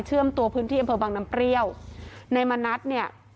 ตัวพื้นที่อำเภอบังน้ำเปรี้ยวนายมณัฐเนี่ย